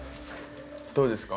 どうですか？